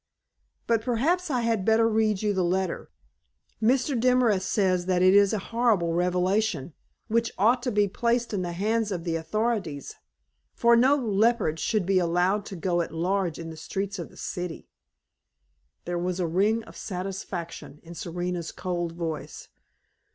But perhaps I had better read you the letter. Mr. Demorest says that it is a terrible revelation, which ought to be placed in the hands of the authorities, for no leper should be allowed to go at large in the streets of a city." There was a ring of satisfaction in Serena's cold voice.